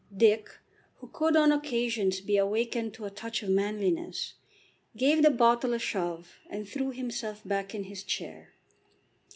Dick, who could on occasions be awakened to a touch of manliness, gave the bottle a shove and threw himself back in his chair.